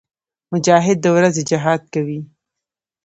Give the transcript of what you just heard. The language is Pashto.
مجاهد د ورځې جهاد کوي.